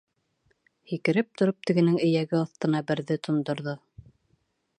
Һикереп тороп, тегенең эйәге аҫтына берҙе тондорҙо.